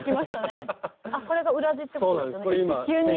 あっこれが裏地ってことですよね？